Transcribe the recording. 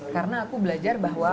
karena aku belajar bahwa